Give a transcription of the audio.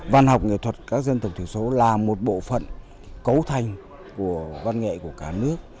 văn học nghệ thuật các dân tộc thiểu số là một bộ phận cấu thành của văn nghệ của cả nước